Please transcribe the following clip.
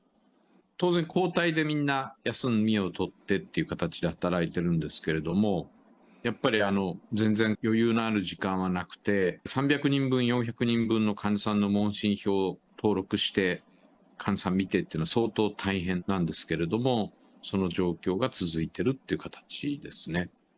当然、交代でみんな、休みを取ってっていう形で働いているんですけど、やっぱり全然、余裕のある実感はなくて、３００人分、４００人分の患者さんの問診票を登録して、患者さんを診てっていうのは、相当大変なんですけれども、その状況が続いてるっていう形ですね。